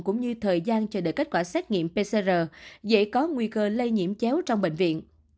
cũng như thời gian chờ đợi kết quả xét nghiệm pcr dễ có nguy cơ lây nhiễm chéo trong bệnh viện